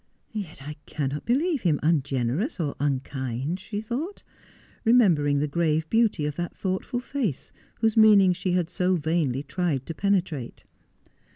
' Yet I cannot believe him ungenerous or unkind,' she thought, remembering the grave beauty of that thoughtful face whose meaning she had so vainly tried to penetrate.